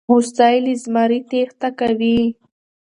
هوسۍ له زمري تېښته کوي.